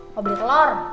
mau beli telor